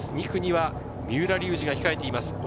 ２区には三浦龍司が控えています。